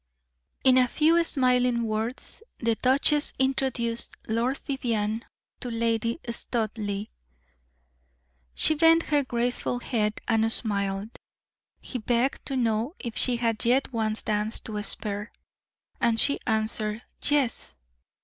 In a few smiling words the duchess introduced Lord Vivianne to Lady Studleigh. She bent her graceful head and smiled. He begged to know if she had yet one dance to spare, and she answered "Yes."